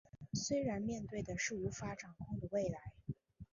虽然面对的是无法掌握的未来